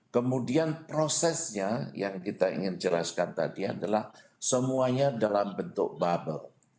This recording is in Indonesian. kemudian prosesnya yang kita ingin jelaskan tadi adalah semuanya dalam bentuk bubble